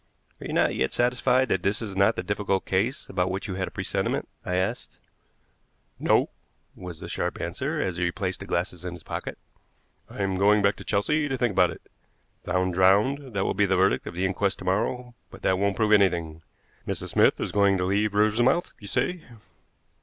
"Are you not yet satisfied that this is not the difficult case about which you had a presentiment?" I asked. "No," was the sharp answer as he replaced the glasses in his pocket. "I'm going back to Chelsea to think about it. Found drowned; that will be the verdict of the inquest to morrow, but that won't prove anything. Mrs. Smith is going to leave Riversmouth, you say?"